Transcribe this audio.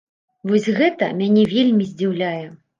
Вось гэта мяне вельмі здзіўляе.